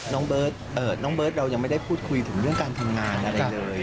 น้องเบิร์ตเรายังไม่ได้พูดคุยถึงเรื่องการทำงานอะไรเลย